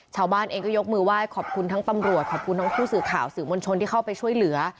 ชาวบ้านเองก็ยกมือไหว้ขอบคุณทั้งตำรวจขอบคุณทั้งผู้สื่อข่าวสื่อมวลชนที่เข้าไปช่วยเหลือ